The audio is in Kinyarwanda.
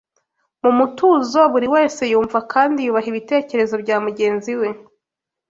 mu mutuzo buri wese yumva kandi yubaha ibitekerezo bya mugenzi we